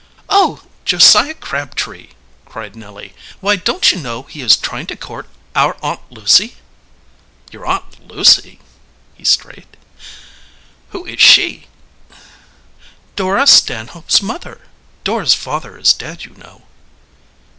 "Oh, Josiah Crabtree!" cried Nelly. "Why, don't you know he is trying to court our Aunt Lucy?" "Your Aunt Lucy? Who is she?" "Dora Stanhope's mother. Dora's father is dead, you know."